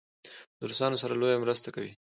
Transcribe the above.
له روسانو سره لویه مرسته کوي.